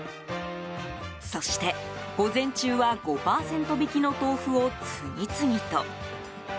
そして、午前中は５％引きの豆腐を次々と。